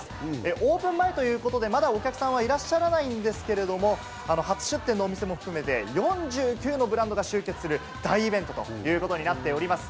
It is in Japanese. オープン前ということで、まだお客さんはいらっしゃらないんですけれども、初出店の店も含めて４９のブランドが集結する大イベントということになっております。